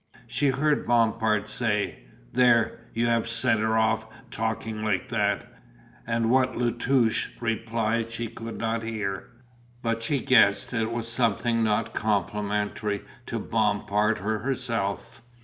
She heard Bompard say: "There, you have sent her off, talking like that," and what La Touche replied she could not hear, but she guessed it was something not complimentary to Bompard or herself.